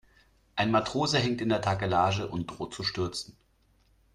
Ein Matrose hängt in der Takelage und droht zu stürzen.